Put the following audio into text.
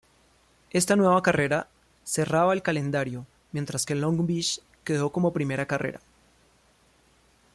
Esta nueva carrera cerraba el calendario, mientras que Long Beach quedó como primera carrera.